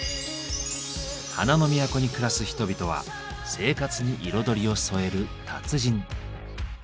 花の都に暮らす人々は生活に彩りを添える達人。